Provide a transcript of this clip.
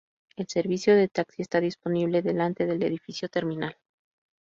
El servicio de Taxi está disponible delante del edificio terminal.